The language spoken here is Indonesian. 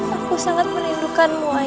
aku sangat merindukanmu ayah